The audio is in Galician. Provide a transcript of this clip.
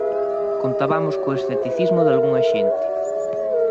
Contabamos co escepticismo dalgunha xente.